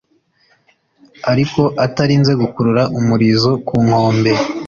ariko atarinze gukurura umurizo ku nkombe